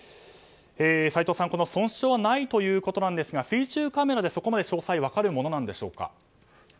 斎藤さん、損傷はないということなんですが水中カメラでそこまで詳細分かるものなんでしょうか。